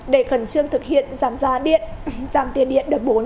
để khẩn trương thực hiện giảm tiền điện đợt bốn